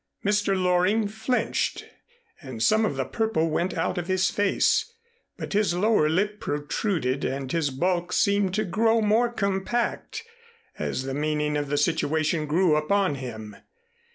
Mr. Loring flinched and some of the purple went out of his face, but his lower lip protruded and his bulk seemed to grow more compact as the meaning of the situation grew upon him.